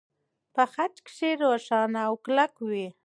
په خج کې روښانه او کلک وي.